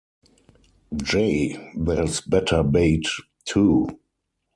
J: There's better bait, too.